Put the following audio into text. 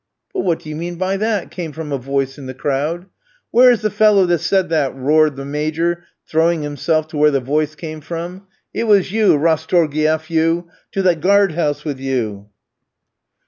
"But, what do you mean by that?" came from a voice in the crowd. "Where is the fellow that said that?" roared the Major, throwing himself to where the voice came from. "It was you, Rastorgouïef, you; to the guard house with you."